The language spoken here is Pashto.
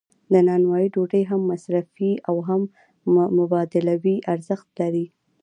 د نانوایی ډوډۍ هم مصرفي او هم مبادلوي ارزښت لري.